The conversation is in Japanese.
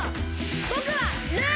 ぼくはルーナ！